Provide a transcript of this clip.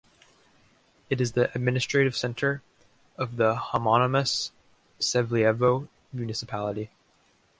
It is the administrative centre of the homonymous Sevlievo Municipality.